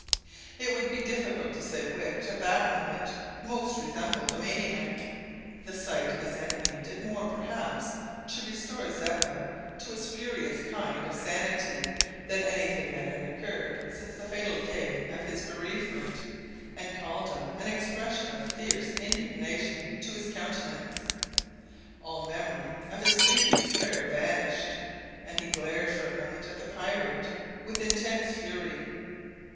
It would be difficult to say which, at that moment, most resembled a maniac. The sight of his enemy did more, perhaps, to restore Zeppa to a spurious kind of sanity than anything that had occurred since the fatal day of his bereavement, and called up an expression of fierce indignation to his countenance. All memory of his previous prayer vanished, and he glared for a moment at the pirate with intense fury.